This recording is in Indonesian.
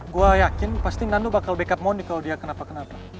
gue yakin pasti nando bakal backup mony kalau dia kenapa kenapa